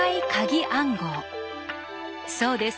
そうです。